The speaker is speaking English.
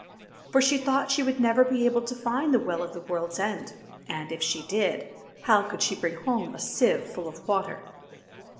For she thought she would never be able to find the Well of the World's End, and, if she did, how could she bring home a sieve full of water